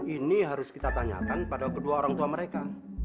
ini harus kita tanyakan pada kedua orang tua mereka